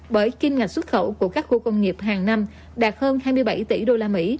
bởi kim ngạch xuất khẩu của các khu công nghiệp hàng năm đạt hơn hai mươi bảy tỷ usd